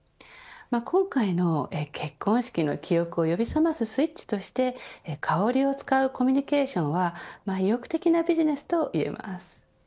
今回の結婚式の記憶を呼び覚ますスイッチとして香りを使うコミュニケーションは意欲的なビジネスといえます。